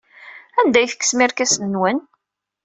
Anda ay tekksem irkasen-nwen?